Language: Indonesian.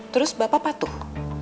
terus bapak patuh